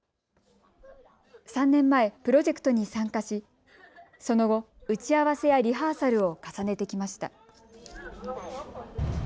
３年前、プロジェクトに参加しその後、打ち合わせやリハーサルを重ねてきました。